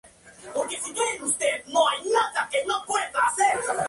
Ha sido publicado en varias ocasiones.